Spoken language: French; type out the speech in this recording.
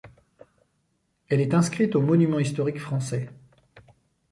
Elle est inscrite aux monuments historiques français.